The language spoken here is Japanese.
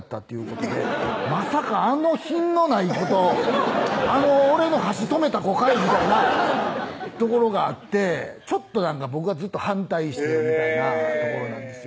まさかあの品のない子とあの俺の箸止めた子かいみたいなところがあってちょっと僕がずっと反対してるみたいなところなんですよね